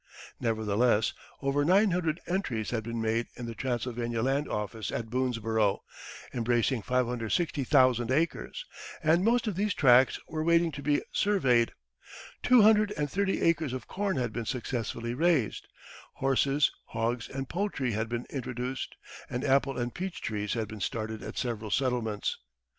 Nevertheless, over nine hundred entries had been made in the Transylvania land office at Boonesborough, embracing 560,000 acres, and most of these tracts were waiting to be surveyed; two hundred and thirty acres of corn had been successfully raised; horses, hogs, and poultry had been introduced, and apple and peach trees had been started at several settlements.